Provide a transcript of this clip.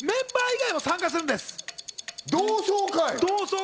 同窓会？